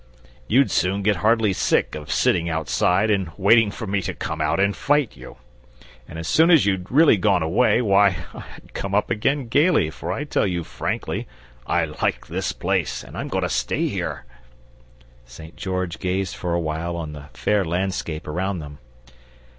You'd soon get heartily sick of sitting outside and waiting for me to come out and fight you. And as soon as you'd really gone away, why, I'd come up again gaily, for I tell you frankly, I like this place, and I'm going to stay here!" St. George gazed for a while on the fair landscape around them.